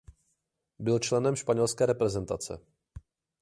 Byl členem španělské reprezentace.